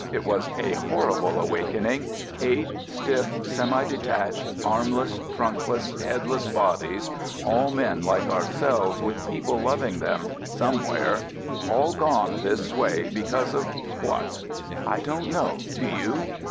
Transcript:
It was a horrible awakening — eight stiff, semi detached, armless, trunkless, headless bodies, — all men like ourselves with peo ple loving them, — somewhere, — all gone this way, — because of — what? I don't know, do you?